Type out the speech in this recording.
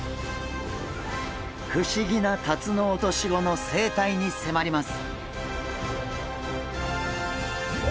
不思議なタツノオトシゴの生態にせまります。